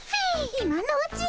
今のうちに。